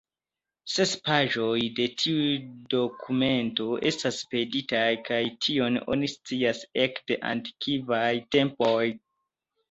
Ses paĝoj de tiu dokumento estas perditaj, kaj tion oni scias ekde antikvaj tempoj.